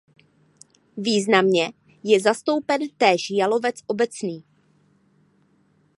Významně je zastoupen též jalovec obecný.